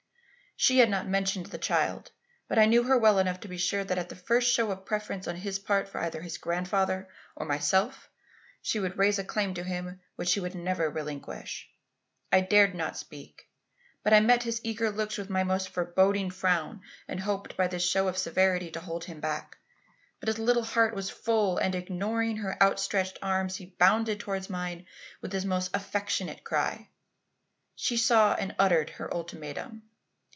"She had not mentioned the child, but I knew her well enough to be sure that at the first show of preference on his part for either his grandfather or myself, she would raise a claim to him which she would never relinquish. I dared not speak, but I met his eager looks with my most forbidding frown and hoped by this show of severity to hold him back. But his little heart was full and, ignoring her outstretched arms, he bounded towards mine with his most affectionate cry. She saw and uttered her ultimatum.